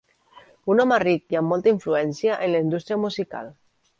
Un home ric i amb molta influència en la indústria musical.